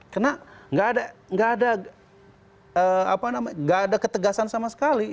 karena tidak ada ketegasan sama sekali